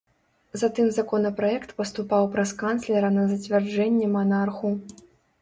Затым законапраект паступаў праз канцлера на зацвярджэнне манарху.